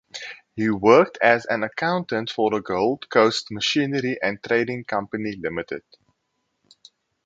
He worked as an accountant for the Gold Coast machinery and trading company limited.